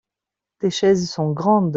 tes chaises sont grandes.